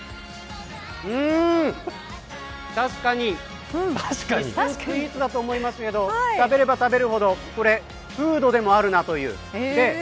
確かに、一瞬スイーツかと思いましたけど食べれば食べるほどフードでもあるなと。